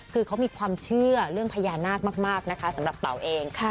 คือเขามีความเชื่อเรื่องพญานาคมากนะคะสำหรับเต๋าเอง